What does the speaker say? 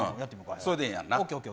それでええやんね。